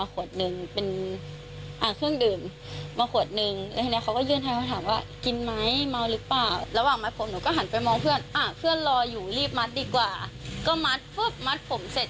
ก็มัดฟึบมัดผมเสร็จ